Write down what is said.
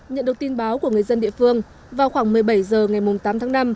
nhận được tin báo của người dân địa phương vào khoảng một mươi bảy h ngày tám tháng năm